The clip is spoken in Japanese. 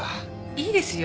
いいですよ